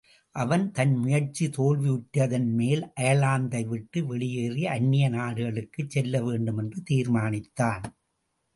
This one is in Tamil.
அவன் தன் முயற்சி தோல்வியுற்றதன்மேல் அயர்லாந்தை விட்டு வெளியேறி, அந்நிய நாடுகளுக்குச் செல்லவேண்டும் என்று தீர்மானித்தான்.